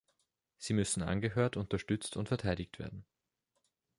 Sie müssen angehört, unterstützt und verteidigt werden.